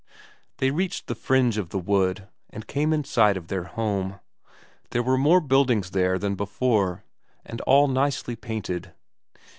They reached the fringe of the wood, and came in sight of their home. There were more buildings there than before, and all nicely painted.